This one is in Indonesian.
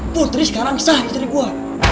putri sekarang sah istri gue